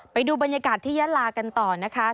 ไปดูบรรยากาศที่ยาลากันต่อนะคะ